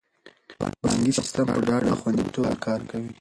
بانکي سیستم په ډاډه او خوندي توګه کار کوي.